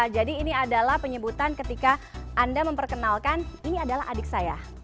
jadi ini adalah penyebutan ketika anda memperkenalkan ini adalah adik saya